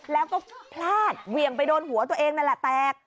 แล้วก็พลาดเหวี่ยงไปโดนหัวตัวเองนั่นแหละแตก